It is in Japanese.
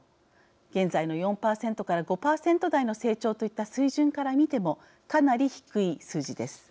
現在の４％から５％台の成長といった水準から見てもかなり低い数字です。